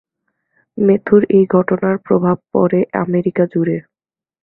ম্যাথুর এই ঘটনার প্রভাব পড়ে আমেরিকা জুড়ে।